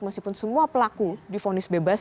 masih pun semua pelaku difonis bebas